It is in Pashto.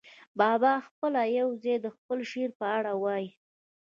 بابا پخپله یو ځای د خپل شعر په اړه وايي.